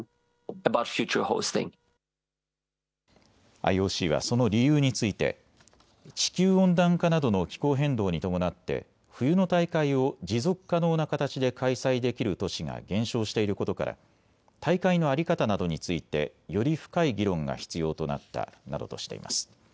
ＩＯＣはその理由について地球温暖化などの気候変動に伴って冬の大会を持続可能な形で開催できる都市が減少していることから大会の在り方などについて、より深い議論が必要となったなどとしています。